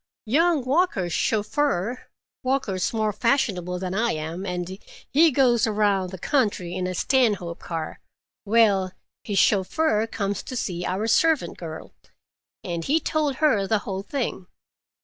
Young Walker's chauffeur—Walker's more fashionable than I am, and he goes around the country in a Stanhope car—well, his chauffeur comes to see our servant girl, and he told her the whole thing.